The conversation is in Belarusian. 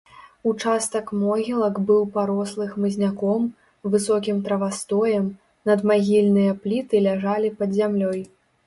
Участак могілак быў парослы хмызняком, высокім травастоем, надмагільныя пліты ляжалі пад зямлёй.